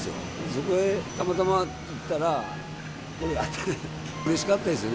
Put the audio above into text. そこへたまたま行ったら、これ、あったんですよ。